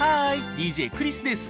ＤＪクリスです。